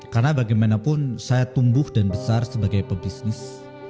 karena bagaimanapun saya tumbuh dan besar sebagai pebisnis